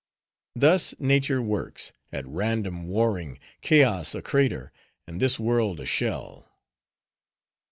Thus Nature works, at random warring, chaos a crater, and this world a shell."